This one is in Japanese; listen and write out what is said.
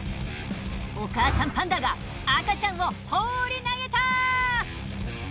お母さんパンダが赤ちゃんを放り投げた！